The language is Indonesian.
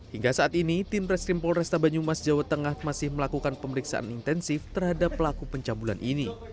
hingga saat ini tim reskrim polresta banyumas jawa tengah masih melakukan pemeriksaan intensif terhadap pelaku pencabulan ini